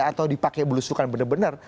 atau dipakai belusukan bener bener